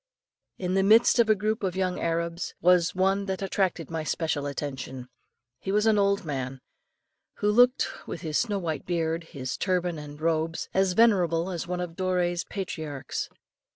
In the midst of a group of young Arabs, was one that attracted my special attention. He was an old man who looked, with his snow white beard, his turban and robes, as venerable as one of Doré's patriarchs.